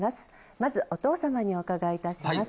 まずお父様にお伺いいたします。